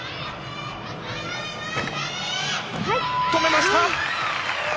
止めました！